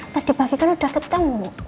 tadi pagi kan udah ketemu